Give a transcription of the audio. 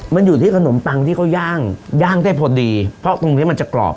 มันอยู่ที่ขนมปังที่เขาย่างย่างได้พอดีเพราะตรงเนี้ยมันจะกรอบ